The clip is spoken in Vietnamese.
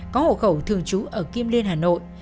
có hộ khẩu thường trú ở kim liên hà nội